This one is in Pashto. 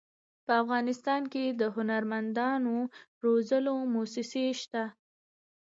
په افغانستان کې د هنرمندانو روزلو مؤسسې شته.